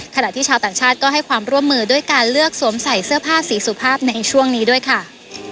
ขณะที่ชาวต่างชาติก็ให้ความร่วมมือด้วยการเลือกสวมใส่เสื้อผ้าสีสุภาพในช่วงนี้ด้วยค่ะ